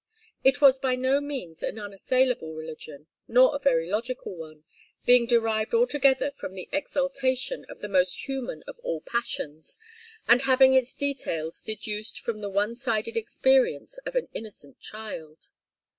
It was by no means an unassailable religion, nor a very logical one, being derived altogether from the exaltation of the most human of all passions, and having its details deduced from the one sided experience of an innocent child.